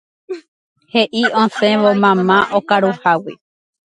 He'i osẽvo mamá okaruhágui.